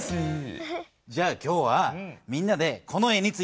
じゃあ今日はみんなでこの絵について語り合ってみよう！